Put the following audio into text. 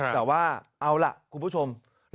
แต่ว่าเอาล่ะคุณผู้ชม